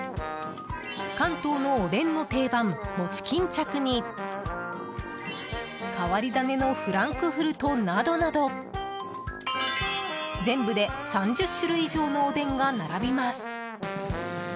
関東のおでんの定番もち巾着に変わり種のフランクフルトなどなど全部で３０種類以上のおでんが並びます。